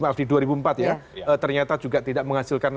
maaf di dua ribu empat ya ternyata juga tidak menghasilkan